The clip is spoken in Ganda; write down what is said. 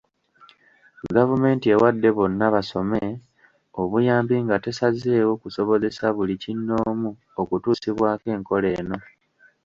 Gavumenti ewadde `Bonna Basome' obuyambi nga tesazeeko okusobozesa buli kinnoomu okutuusibwako enkola eno.